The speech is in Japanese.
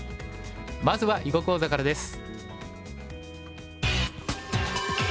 まずは囲碁講座からです。